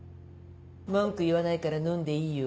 文句言わないから飲んでいいよ。